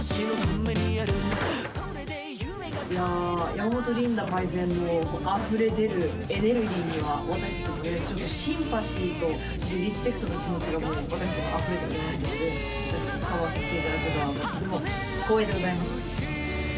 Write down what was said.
山本リンダパイセンのあふれ出るエネルギーには、私たちもシンパシーとリスペクトの気持ちがあふれておりますので、コラボさせていただくのはとても光栄でございます。